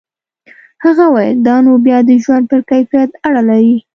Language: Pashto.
هغه وویل دا نو بیا د ژوند پر کیفیت اړه لري.